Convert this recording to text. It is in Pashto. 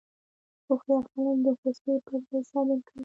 هوښیار خلک د غوسې پر ځای صبر کوي.